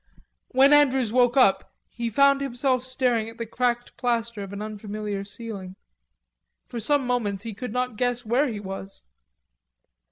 When Andrews woke up he found himself staring at the cracked plaster of an unfamiliar ceiling. For some moments he could not guess where he was.